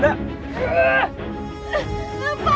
mbak harus tenang dong